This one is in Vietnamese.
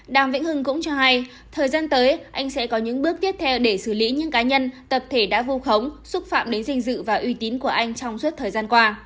đàm vĩnh hưng cũng cho hay thời gian tới anh sẽ có những bước tiếp theo để xử lý những cá nhân tập thể đã vu khống xúc phạm đến dinh dự và uy tín của anh trong suốt thời gian qua